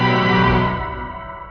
mama kangen sama kamu